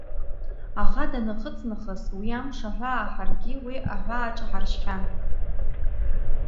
Аӷа данахыҵ нахыс уи Амш аҳәаа, ҳаргьы уи аҳәааҿ ҳаршьхьан…